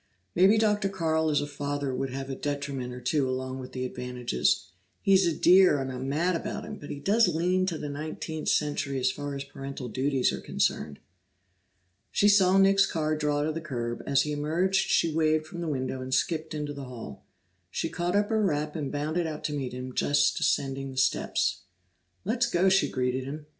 "Maybe Dr. Carl as a father would have a detriment or two along with the advantages. He's a dear, and I'm mad about him, but he does lean to the nineteenth century as far as parental duties are concerned." She saw Nick's car draw to the curb; as he emerged she waved from the window and skipped into the hall. She caught up her wrap and bounded out to meet him just ascending the steps. "Let's go!" she greeted him.